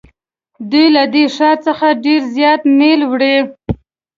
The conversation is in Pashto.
دوی له دې ښار څخه ډېر زیات نیل وړي.